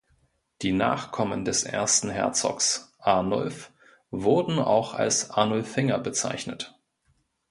Die Nachkommen des ersten Herzogs, Arnulf, wurden auch als Arnulfinger bezeichnet.